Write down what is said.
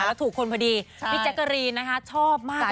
แล้วถูกคนพอดีพี่แจ๊กกะรีนนะคะชอบมาก